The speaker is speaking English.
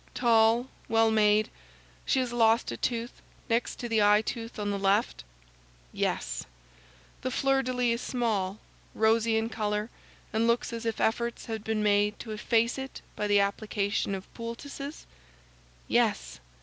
"Tall, well made? She has lost a tooth, next to the eyetooth on the left?" "Yes." "The fleur de lis is small, rosy in color, and looks as if efforts had been made to efface it by the application of poultices?" "Yes."